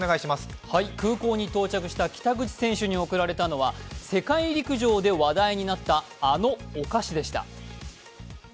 空港に到着した北口選手に贈られたのは世界陸上で話題になったあのお菓子でした。